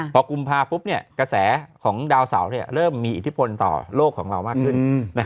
พอกุมภาพกระแสของดาวเสาร์เริ่มมีอิทธิพลต่อโลกของเรามากขึ้น